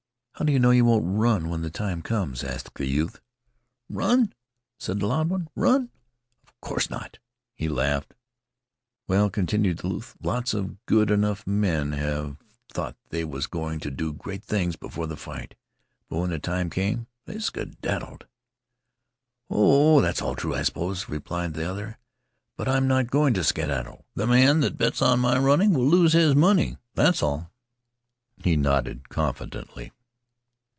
"How do you know you won't run when the time comes?" asked the youth. "Run?" said the loud one; "run? of course not!" He laughed. "Well," continued the youth, "lots of good a 'nough men have thought they was going to do great things before the fight, but when the time come they skedaddled." "Oh, that's all true, I s'pose," replied the other; "but I'm not going to skedaddle. The man that bets on my running will lose his money, that's all." He nodded confidently.